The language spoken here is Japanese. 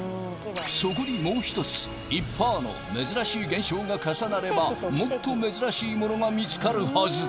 そこにもう１つ１％の珍しい現象が重なればもっと珍しいものが見つかるはず